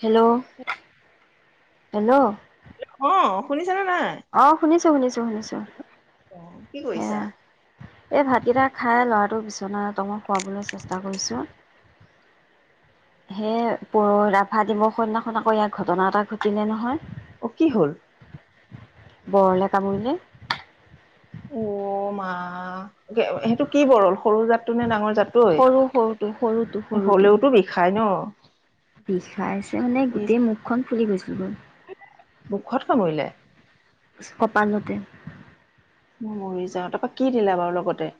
Hello hello. অ শুনিছানে নাই আহ শুনিছো শুনিছো শুনিছো অ কি কৰিছা? সেয়া। এই ভাতকেইটা খাই ল'ৰাটোক বিচনত মই শুৱাবলৈ চেষ্টা কৰিছোঁ। [inaudible] হে পৰ ৰাভা দিৱস দিনাখন আকৌ ইয়াৰ ঘটনা এটা ঘটিলে অ নহয়। কি হ ল? বৰলে কামুৰিলে। অ মা সেইটো কি বৰল সৰু জাতটো নে ডাঙৰ জাত? সৰু সৰুটো সৰুটো ঐ সৰুটো হলেওতো বিষাই ন। বিষাইছে মানে ইচ গোটেই মুখখন ফুলি গৈছিল গৈ। মুখত কামুৰিলে? কপালতে। মই মৰি যাওঁ, তাৰপা কি দিলা বাৰু লগতে?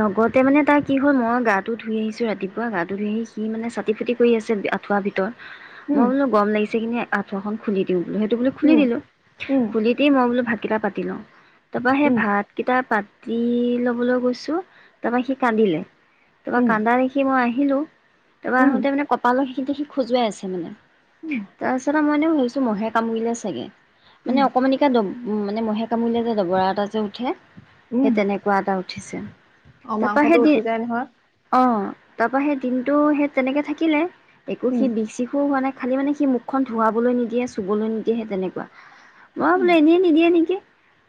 লগতে মানে তাৰ কি হ'ল মই গাটো ধুই আহিছো, ৰাতিপুৱা গাটো ধুই আহি সি মানে চাতি ফুটি কৰি আছে আঠুৱা ভিতৰত উম মই বোলো গৰম লাগিছে কি আঠুৱা খন খুুলি দিওঁ। বোলো সেইটো বোলো খুলি উম দিলো উম খুলি দি মই বোলো ভাতকেইটা পাতি লওঁ। তাৰপৰা সেই উম ভাত কেইটা পাতি লবলৈ গৈছো তাৰপৰা সি কান্দিলে তাৰপ পৰা উম কান্দা দেখি মই আহিলো, তাৰপ পৰা উম আহোতে মানে কপালৰ সি দে সি খোজুৱাই আছে মানে। উম তাৰপিছত মইনো ভাবিছো মহে কামৰিলে চাগে, মানে উম অকমানী কা দম উ মানে মহে কামুৰিলে যে দবৰা এটা যে উঠে সেই উম তেনেকুৱা এটা উঠিছে। অ তাৰপৰা সেই মাংসটো দি উঠি যায় নহয়। অ তাৰ পৰা সেই দিনটো সেই তেনেকে থাকিলে একো উম সি বিষ চিষো হোৱা নাই। খালি মানে সি মুখখন ধুৱাবলৈ নিদিয়ে চুবলৈ নিদিয়েহে তেনেকুৱা, মই উম বোলো এনেই নিদিয়ে নেকি?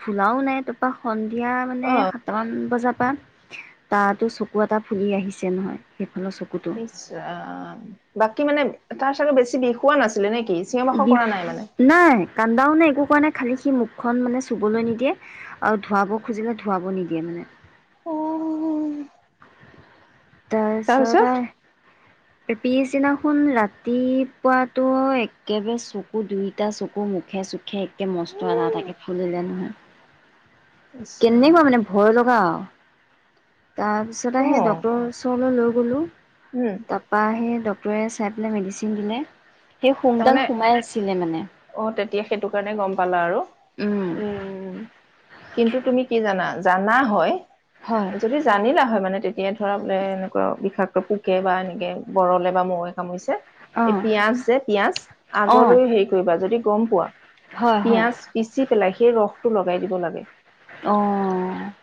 ফুলাও নাই তাৰপা সন্ধিয়া মানে অ সাতটামান বজাৰ পৰা তাতো চকু এটা ফুলি আহিছে নহয় সেই ইছৰাম বাকী মানে তাৰ চাগে বেছি বিষোৱা নাছিলে নেকি? চিঞৰ বাখৰ বি কৰা নাই মানে নাই কান্দাও নাই একো পোৱা নে খালি সি মুখখন মানে চুবলৈ নিদিয়ে আৰু ধুৱাব খুজিলে ধুৱাব নিদিয়ে মানে। অহ তাপিছত আ তাৰপিছত পিছদিনাখন ৰাতিপুৱাতো একেবাৰে চকু দুইটা চকু ম মুখে চুখে একে মস্ত এটা এটাকে ফুলিলে নহয়। ইছ কেনেকুৱা ৰাম মানে ভয় লগা তাৰ পিছত অ আহে ডক্তৰ ওচৰলৈ লৈ গলোঁ উম তাৰ পৰা সেই ড ৰে চাই পেলাই মেডিচ দিলে সেই তাৰমানে সোমদাল সোমাই আছিলে মানে অ তেতিয়া সেইটো কাৰণে গম পালা আৰু, উম উম কিন্তু তুমি কি জানা? জানা হয় হয় যদি জানিলা হয় মানে তেতিয়া এতিয়া ধৰা বোলে এনেকুৱা বিষাপ্ত পোকে বা এনেকৈ বৰলে বা মৌৱে কামুৰিছে এই অঁ পিয়াজ যে পিয়াজ অঁ আগলৈ হেৰি কৰিবা যদি গম পোৱা হয় হয় পিয়াজ পিচি পেলাই সেই ৰসটো লগাই দিব লাগে। অ।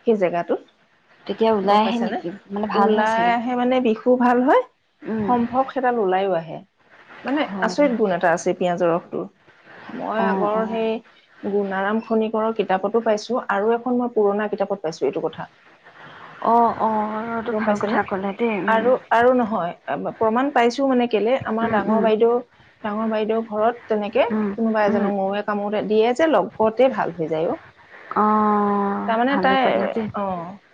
সেই জেগাটোত গম পাইছা নে হয় ওলাই চাগে আহে মানে বিষ তোৰ ভাল হয় উম সম্ভৱ সেইডাল উলাও আহে। মানে আচৰিত হয় গুণ এটা আছে পিয়াজৰ ৰস। মই অঁ আগৰ অঁ সেই গুৰ্ণাৰাম খি খনিকৰৰ কিতাপতো পাইছো আৰু এখন মই পুৰণা কিতাপত পাইছো এইটো কথা। [inaudible] অঁ এইটো গম ভাল পাইছে নে? কথা ক'লে দেই উম আৰু আৰু নহয় প্ৰমাণ পাইছোঁ মানে কেলে আমাৰ ডাঙৰ উম বাইদেউ ডাঙৰ বাইদেউ ঘৰত তেনেকে উম কোনোবা উম এজক মৌৱে কামুতে দিয়ে যে লগতে ভাল হৈ যায় ও। অঁ তাৰ মানে ভালে তাই ক'লে দেই অ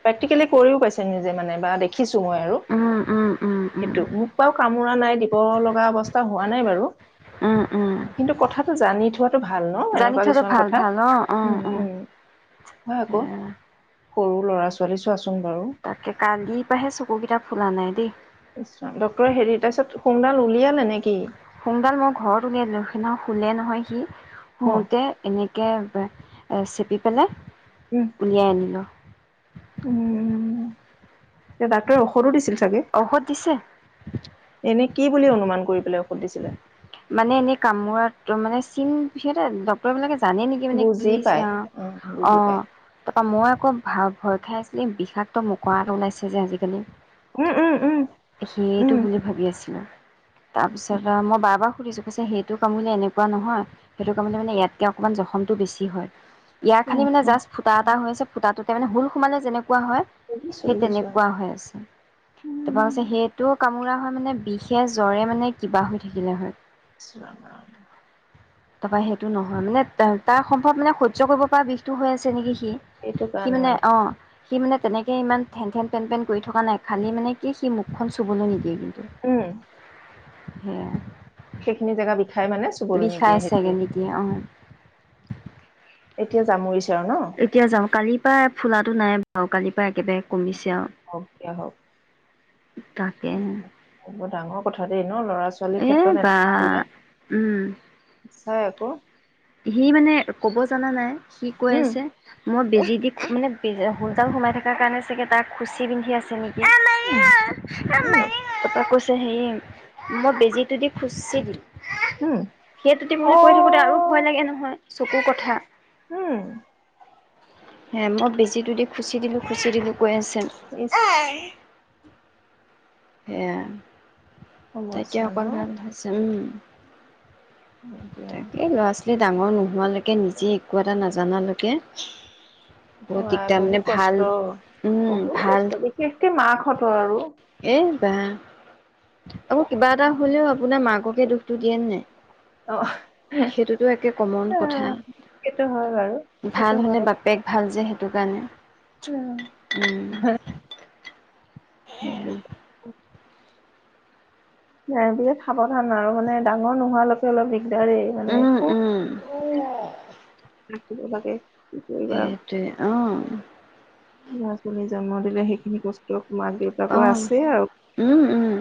প্ৰেক্টিকেলি কৰিও পাইছে নিজে মানে বা দেখিছোঁ মই আৰু উম উম উম উম সেইটো মোক বাও কামোৰা নাই দি দিব লগা অৱস্থা হোৱা নাই বাৰু। উম উম কিন্তু কথাটো জানি থোৱাটো ভাল ন জানি এনেকুৱা থলে কিছুমান ভাল কথা ভাল অঁ অঁ উম অঁ উম! হয় আকৌ সৰু ল'ৰা ছোৱালী চোৱা‌ চোন তাকে কালিৰ পৰাহে চকু কেইটা ফুলা নাই দেই। ইছৰাম ডক্টৰে হেৰি তাৰপিছত সোমডাল উলিয়ালে নেকি? সোমডাল মই ঘৰত উলিয়াই দিলো সেইদিনাখন শুলে নহয় সি অ শুতে এনে একেবাই চেপি পেলাই উম উলিয়াই আনিলোঁ। উম এতিয়া ডাক্তৰে ঔষধো দিছিল। চাগে ঔষধ দিছে। এনে কি বুলি অনুমান কৰি পেলাই ঔষধ দিছিলে? মানে এনেই কামোৰাটো মানে চিন পি ডক্টৰ বিলাকে জানে নেকি মানে কি বুজি পাই অ বুজি পাই অ--অ মই আকৌ ভা ভয় খাই আছিলো এই বিষাক্ত মকৰা এটা ওলাইছে যে আজিকালি উম উম উম সেইটো উম বুলি ভাবি আছিলো তাৰ পিছত মই আ বাৰপা সুধিছোঁ কৈছে সেইটো কামিলে এনেকুৱা নহয় সেইটো কামিলে মানে ইয়াতকৈ অকণমান জখমটো বেছি হয় ইয়াৰ অ খালি মানে অ জাষ্ট ফুটা এ হৈ আছে ফুটাটোতে মানে হুল সোমালে যেনেকে হয় বুজিছো সেই বুজিছো তেনেকুৱা হৈ আছে তাৰপৰা কৈছে সেইটো কামোৰা হয় মানে বিষে জ্বৰে মানে কিবা হৈ থাকিলে হয় ইচ ৰাম-ৰাম তাৰপৰা সেইটো নহয় মানে তাৰ সম্ভৱ মানে সহ্য কৰিব পৰা বিষটো ‌হৈ আছে নেকি কি সেইটো সি কাৰণে মানে অঁ সি মানে তেনেকে ইমান থেনথেন পেন-পেন কৰি থকা নাই খালি মানে কি সি মুখখন চুবলৈ নিদিয়ে উম - সেয়াই- সেইখিনি জেগা বিষাই মানে চুবলৈ নিদিয়ে চাগে সেইটোৱে - নেকি অঁ। এতিয়া জামুৰি - এতিয়া যাওঁ কালিৰ পৰা ফুলাটো নাই বাৰু কালিৰ পৰা একেবাৰে - হওক দিয়া হওক - তাকে হে - এনেও ল'ৰা-ছোৱালীৰ ক্ষেত্ৰত বা এনেকুৱা হলে উম চাই আকৌ - সি মানে ক'ব জনা নাই সি কৈ উম আছে মই - বেজি দি মানে বে শূল দাল সোমাই থকাৰ কাৰণে চাগৈ তাৰ খুচি বিন্ধি ন্ধি আছে নেকি - ন নাইে ন মে - হে মই বেজীটো দি খুচি দিলোঁ সেই ততি বুলি কৈ থাকোতে আকৌ - চকু কথা - উম হে মই বেজিটো দি খুচি দিলো খুচি দিলো কৈ আছে ইছ সেয়া তাকেই সমস্যা ন অকণ ভাল হৈছে উম হয় কিয় তাকে ল'ৰা ডাঙৰ নোহোৱালৈকে নিজে একো এটা নাজানালৈকে অ‌ বহুত আই দিগদাৰ মানে বহুত ভাল কষ্ট উম বহুত ভাল কষ্ট বিশেষকে মাকঁতৰ আৰু এই আকৌ কিবা এটা হলেও আপোনাৰ মাককে দুখটো দিয়ে ন নাই অ সেইটোতো একে কমন কথা সেইটো হয় বাৰু ভাল সেইটো হলে হয় বাপেক ভাল যে সেইটো কাৰণে উম, উম। কি উম কৰিবা। নাই বিৰাট সাৱধান আৰু মানে, ডাঙৰ নোহোৱালৈকে অলপ দিগদাৰেই মানে! উম, খুব উম। লাগে, কি কৰিবা আৰু সেইটোৱে অ', [unintelligible] জন্ম দিলে সেইখিনি কষ্ট মাক-দেউতাকৰ অ', আছে আৰু! উম, উম,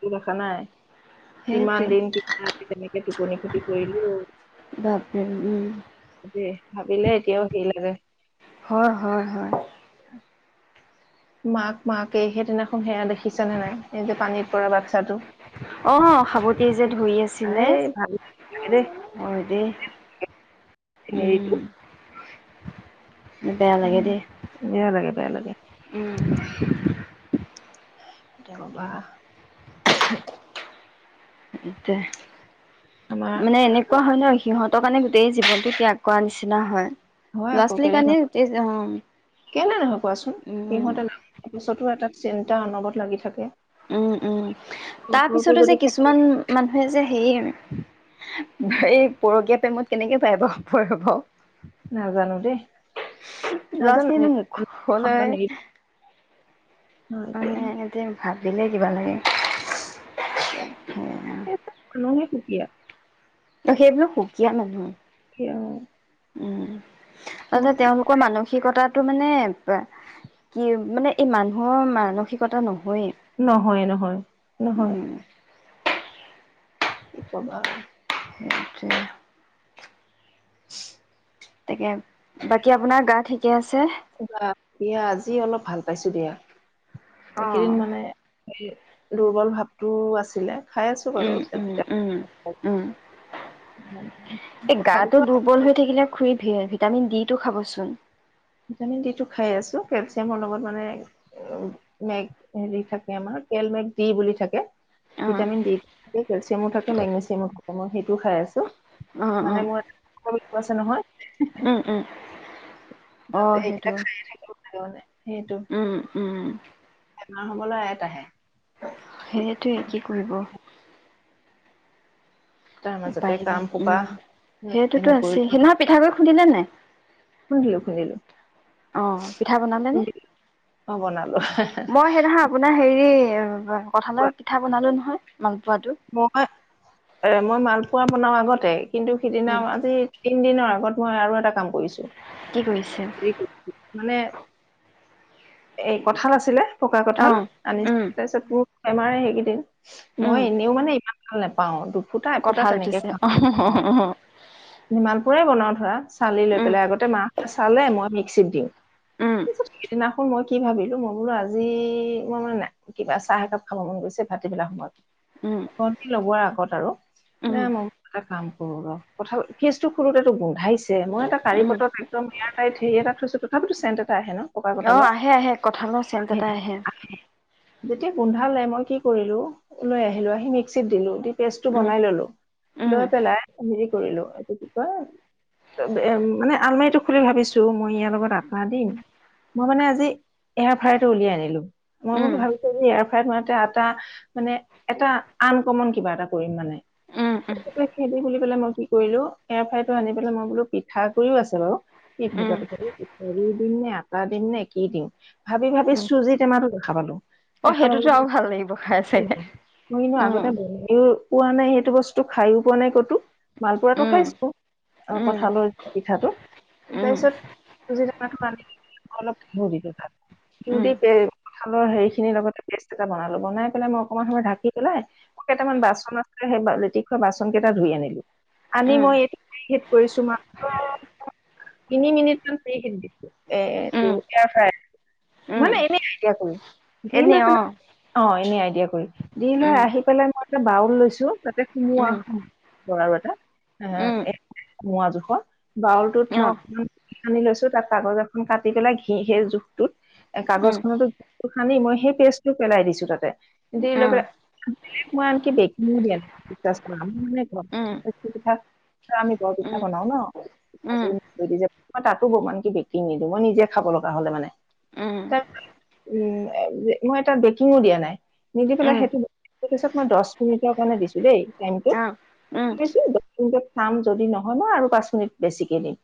টো দেখা নাই! কিমান সেইটোৱে। দিন কিবা আ তেনেকে টোপনি খতি কৰিলো অ'। বাপৰে উম। দে ভাবিলে এতিয়াও সেই লাগে । হয় হয় হয়। মাক-মাকে সেইদিনাখন সেয়া দেখিছা নে নাই? এই যে পানীত পৰা বাচ্ছাটো অ' সাবটি যে এই ধৰি আছিলে । ভাল দেই হয় দেই। চিনেৰীটো উম । বেয়া লাগে দেই বেয়া লাগে বেয়া লাগে । উম কি তাকে। ক'বা! [unintelligible] আমাৰ মানে এনেকুৱা হয় ন সিহঁত কাৰণে গোটেই জীৱনটো ত্যাগ কৰা নিচিনা হয়। হয় আকৌ ল'ৰা-ছোৱালীৰ কেলে কাৰণে নহয় গোটেই কেলে নহয় কোৱাচোন? উম, সিহঁতে [unintelligible] পাছতো এটা চিন্তা অনবৰত লাগি থাকে। উম উম। ঘৰতো তাৰপিছতো যে যদি থাকে কিছুমান মানুহে যে সেই এই পৰকীয়া প্ৰেমত কেনেকে পাই বাউ, পৰে বাৰু! নাজানো দেই নাজানো আমি ল'ৰা-ছোৱালী সন্তান মুখলৈ এৰি হয় দিয়া মানে এতিয়া ভাবিলে কিবা লাগে! সেই মানুহে সুকীয়া ত সেইবোৰো সুকীয়া মানুহ। সেইয়া অ' আচলতে তেওঁলোকৰ মানসিকতাত তু মানে কি মানে এই মানুহৰ মানসিকতা নহয় হয়, নহয়, নহয়, নহয়। উম। কি ক'বা আৰু! সেইটোৱে। [unintelligible] তাকে বাকী আপোনাৰ গা ঠিকে আছে? দিয়া আজি অলপ ভাল পাইছো দিয়া, এইকেইদিন অ', মানে দুৰ্বল ভাবটোও আছিলে। খাই আছো বাৰু উম, উম উম, ভিটামিন, উম। এই তথাপিতো গাটো দুৰ্বল হৈ থাকিলে খুৰি ভিটামিন ডি টো খাবচোন। ভিটামিন ডি টো খাই আছো কেলচিয়ামৰ লগত মানে উ মেঘ হেৰি থাকে আমাৰ, তেল মেঘ দি বুলি থাকে। অ ভিটামিন ডি থাকে, কেলছিয়ামো থাকে, মেগনেছিয়ামো থাকে। মই সেইটোও খাই আছো। অ অ মানে মোৰ [unintelligible] কল আছে নহয়। উম উম। তাতে অ' এইকেইটা সেইটো, খায়ে থাকিব লাগে মানে সেইটো উম উম। বেমাৰ হ'বলৈ আয়াত আহে। সেইটোৱে কি কৰিব? তাৰ মাজতে উপায় নাই কামসোপা, উম নকৰিলেও সেইটোতো আছে সেইদিনা পিঠাগুৰি নহয়। খুন্দিলে নাই খুন্দিলো খুন্দিলো। অ' পিঠা বনালেনে? খুন্দিলো অ বনালো মই সেইদিনাখন আপোনাৰ হেৰি কঁঠালৰ কোৱা। পিঠা বনালো নহয়! মালপোৱাটো মই এ মই মালপোৱা বনাও আগতে। কিন্তু সিদিনা উম আজি তিনিদিনৰ আগত মই আৰু এটা কাম কৰিছোঁ। কি কৰিছে এই কৰি মানে এই কঁঠাল আছিলে, পকা অ কঁঠাল উম আনিছিলে। তাৰপিছত মোৰ বেমাৰে সেইকেইদিন মই উম এনেও মানে ইমান ভাল নেপাও। দুফুটা-এফুটা তেনেকে খাওঁ। অ'। মাল পুৰাই বনাও ধৰা চালি লৈ উম পেলাই আগতে মাহ চালে মই। দিওঁ। উম মই কি ভাবিলো মই বোলো আজি মই মানে নাই কিবা চাহ একাপ খাব মন গৈছে ভাটি বেলা সময়ত। উম কটি ল'বৰ আগত । আৰু উম মই এটা কাম কৰো ৰ, কঠাল ফ্ৰিজতো তো গোন্ধাইছে। যে মই এটা কাৰীৰ উম দায়িত্ব ম ইয়াৰ হেৰি এটা থৈছোঁ, তথাপিতো গোন্ধ আহে নহ? পকা অ কথালত আহে আহে কঠালৰ চেন্ট্এটা আহে। যেতিয়া গোন্ধালে মই কি কৰিলো লৈ আহিলো, আহি মিক্সিত দিলো দি পেষ্টটো উম বনাই ললো, উম লৈ পেলাই হেৰি কৰিলো এইটো কি কয়, মানে আলমাৰিটো খুলি ভাবিছো মই ইয়াৰ লগত আকাৰ দিম মই মানে আজি এয়াৰ ফাইটো উলিয়াই আনিলো মই উম বোলো ভাবিছো যে এয়াৰ ফাই মই এটা মানে এটা। আনকমন কিবা এটা কৰিম মানে। উম উম খেদি বুলি পেলাই মই কি কৰিলো এয়াই ফ্ৰাইটো আনি পেলাই মই বোলো পিঠা গুড়ি ও আছে বাৰু। এই ভজা উম পিঠাটো হেৰি দিম নে আটা দিম নে কি দিম? ভাবি ভাবি উম চুজি টেমা তো দেখা পালো। অ দেখা পাব সেইটোতো আৰু ভাল লাগিব খাই চাগে মই কিন্তু উম আগতে বনাও। পোৱা নাই সেইটো বস্তু খাই ও পোৱা নাই ক'তো মালপোৱা তো উম খাইছো। আৰু উম কঠালৰ পিঠাটো। উম তাৰপিছত চুজি টেমাটো আনি অলপ ঘিউ তাত উম দি দিলো। কঠালৰ হেৰি খিনিৰ লগতে পেষ্ট এটা বনালো বনাই পেলাই মই অকনমান সময় ঢাকি পেলাই মই কেইটামান বাচন আ। লেটিক খোৱা বাচন কেইটা ধুই আনিলো আনি উম মই এইটো কৰিছো মাত্ৰ। তিনি মিনিট মান চ খিনি দিছো এটো উম এয়াৰ ফাই। উম মানে এনে আইডিয়া কৰি এনে লৈ অ পেলাই অ এনে আইডিয়া কৰি। দি লৈ উম আহি পেলাই মই এটা বাউল লৈছো তাতে সুমোৱা উম সম ব আৰু এটা। উম অ। মোৱা জোখৰ বাউলটোত অ মই অকনমান সানি লৈছো তাত কাগজ এখন কাটি পেলাই ঘি সেই জোখ। হয়। কাগজ খতো সানি মই সেই পেষ্টটো পেলাই দিছো তাতে কি অ লৈ পেলালে। নক বখি দিয়াৰ মান উম পিঠা । ত আমি বৰ পিঠা উম বনাওঁ ন। উম মই তাতো বেকিং নিদিওঁ মই নিজে খাব লগা হলে মানে। উম উম তাৰ উ মই তাত বেকিঙো দিয়া নাই নিদি অ পেলাই সেইটো। তাৰপিছত মই দহ মিনিটৰ কাৰণে দিছো দেই। উম মিনি চাম যদি নহয় মই আৰু পাঁচ মিনিট বেছিকে দিম।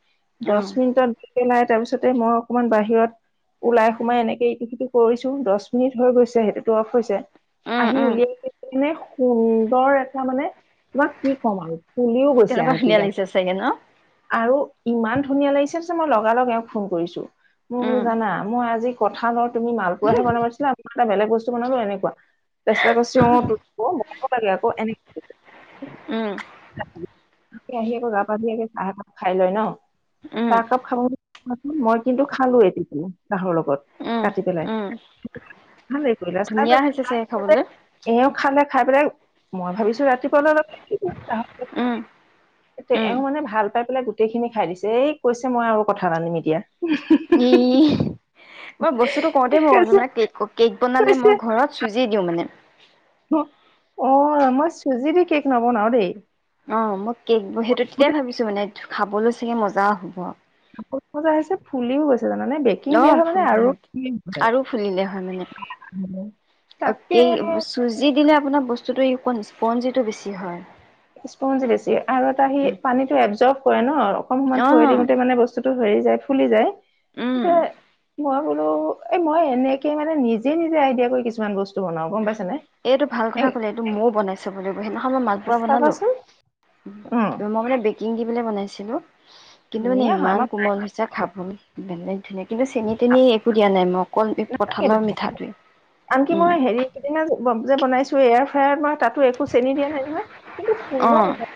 অ দহ মিনিটত পেলাই তাৰপিছতে মই অকমান বাহিৰত। ওলাই সোমাই এনেকে ইটো সিটো কৰিছো দহ মিনিট হৈ গৈছে সেইটোতো অফ হৈছে। উম আহি উম উলিয়াইে সুন্দৰ এটা মানে তোমাক কি কম আৰু খুলিও গৈছে তেনেকুৱা আনকি ধুনীয়া জান লাগিছে চাগে ন আৰু ইমান। ধুনীয়া লাগিছে মই লগা লগে ফোন কৰিছো মোৰ উম জানা মই আজি কঠাল লওঁ তুমি মালপোৱা বনাব প দিছিলা আৰু এটা বেলেগ বস্তু বনালো এনেকুৱা ৰাচ্তা ক চিন লাগে আকৌ এনে, উম উম আহি আকৌ গা পা ধোই চাহ খাই লয় ন। চাহ কাপ খাব বুলি মই কিন্তু খালো এটো। চাহৰ লগত উম কাটি পেলাই। উম ভালে কৰি ৰাস্তা ধুনীয়া হৈছে চাগে খাবলৈ এ খালে। খাই পেলাই মই ভাবিছো ৰাতিপুৱা অলাহ। উ। এওঁ মানে ভাল পাই পেলাই গোটেইখিনি খাই দিছে এই কৈছে মই আৰু কঠাল আনিম এতিয়া। ই মই বস্তুটো কওঁতে মই ভাবছো কৈছে মানে কেক বনালে কৈছে মই ঘৰত চুজি দিওঁ মানে। অ মই চুজিৰে কেক নবনাও দেই। অ মই কেকোৰ সেইটো তেতিয়াই গোটেই ভাবিছো মানে খাবলৈ চাগে মজা হ'ব। কাপত মজা আহিছে ফুলিও গৈছে। জানে বেকিং অ দিয়া হয়ানে ফুলিলে আৰু। আৰু ফুলিলে হয় মানে। তাকে চুজি দিলে আপোনাৰ বস্তুটো স্পঞ্জিটো বেছি হয়। স্পঞ্জিটো বেছি আৰু এটা আহি পানীটো এবজৰভ কৰে ন অকন অ সমত থৈ দিওঁতে মানে বস্তুতটো হেৰি যায়। ফুলি যায় উম। মই। বোলো এ মই এনেকে মানে নিজে নিজে আইডিয়া কৰি কিছুমান বস্তু। বনাও গম পাইছানে? এইটো ভাল এ কথা ক'লে এইটো ময়ও বনাইছো বুলি সেইদিখন। মালপোৱা বনালো চাবাচোন উম মই মানে বেকিং দি পেলাই বনাইছিলো। কিন্তু মানে ধুনীয়া হয় ইমান কোমল হৈছে খাবলৈ বেলেগ। ধুনীয়া কিন্তু চেনিী তেনি আমাৰ একো দিয়া নাই মই অকল কঠালৰ মিঠাটোৱে উম। দিনা যে বনাইছো এয়াৰ ফ্ৰায়াৰ মই তাতো একো চেনি দিয়া নাই নহয় কিন্তু সুন্দৰ অ। নহয়।